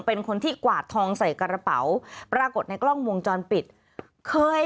เป็นคนที่กวาดทองใส่กระเป๋าปรากฏในกล้องวงจรปิดเคย